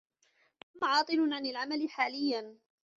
توم عاطل عن العمل حاليا.